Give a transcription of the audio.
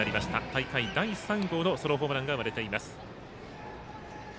大会第３号のソロホームランが生まれています。